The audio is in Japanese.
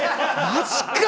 マジか。